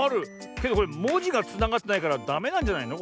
けどこれもじがつながってないからダメなんじゃないの？